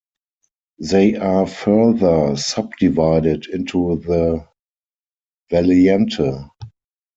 They are further subdivided into the Valiente.